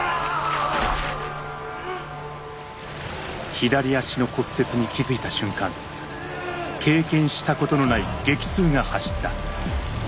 左足の骨折に気づいた瞬間経験したことのない激痛が走った。